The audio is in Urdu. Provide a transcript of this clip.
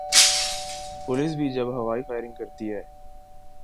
پولیس بھی جب ہوائی فائرنگ کرتی ہے۔